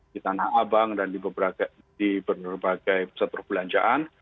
di tanah abang dan di berbagai pusat perbelanjaan